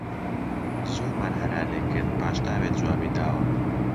زۆرمان هەرا لێ کرد، پاش تاوێ جوابی داوە